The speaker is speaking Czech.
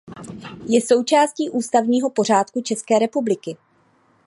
Je součástí ústavního pořádku České republiky.